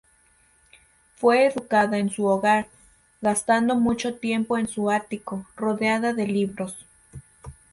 Fue educada en su hogar, gastando mucho tiempo en su ático, rodeada de libros.